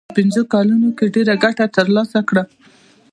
په پنځو کلونو کې ډېره ګټه ترلاسه کړه.